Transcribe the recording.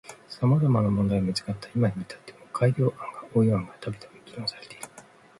様々な問題点が見つかった今に至っても改良案や応用案がたびたび議論されている。